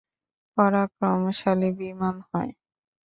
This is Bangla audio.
পরাক্রমশালী বিমান নয়।